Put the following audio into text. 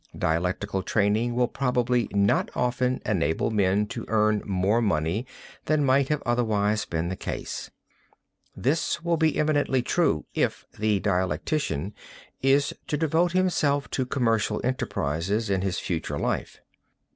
Dialectical training will probably not often enable men to earn more money than might have otherwise been the case. This will be eminently true if the dialectician is to devote himself to commercial enterprises in his future life.